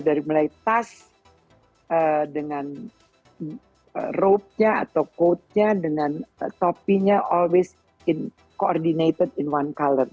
dari mulai tas dengan robe nya atau coat nya dengan topi nya always coordinated in one color